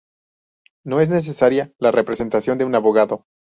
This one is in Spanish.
No es necesaria la representación de un abogado.